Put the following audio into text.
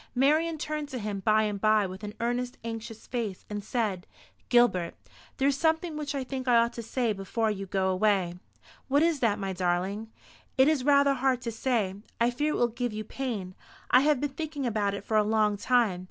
Marian turned to him by and by with an earnest anxious face, and said, "Gilbert, there is something which I think I ought to say to you before you go away." "What is that, my darling?" "It is rather hard to say. I fear it will give you pain. I have been thinking about it for a long time.